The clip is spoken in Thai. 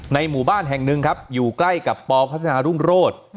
หมู่บ้านแห่งหนึ่งครับอยู่ใกล้กับปพัฒนารุ่งโรธ